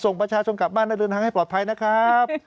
ส่งประชาชนกลับบ้านได้เดินทางให้ปลอดภัยนะครับ